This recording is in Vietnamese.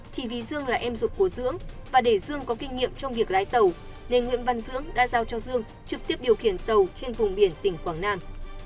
chỉ vì dương là em ruột của dưỡng và để dương có kinh nghiệm trong việc lái tàu nên nguyễn văn dưỡng đã giao cho dương trực tiếp điều khiển tàu trên vùng biển tỉnh quảng nam